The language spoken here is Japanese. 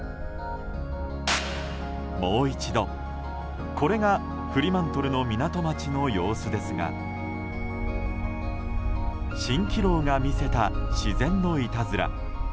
もう一度、これがフリマントルの港町の様子ですが蜃気楼が見せた自然のいたずら。